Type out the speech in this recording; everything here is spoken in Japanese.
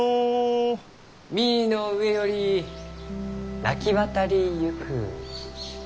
「御井の上より鳴き渡り行く」。